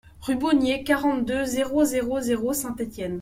Rue Beaunier, quarante-deux, zéro zéro zéro Saint-Étienne